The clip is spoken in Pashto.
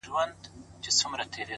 نه پوهېږم چي په څه سره خنديږي.!